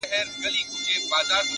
پرمختګ د ثابتو هڅو حاصل دی!